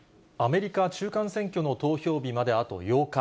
アメリカ中間選挙の投票日まであと８日。